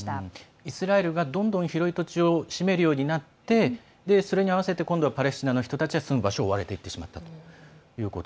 イスラエルがどんどん広い土地を占めるようになってそれに合わせてパレスチナの人たちが住む場所を追われたと。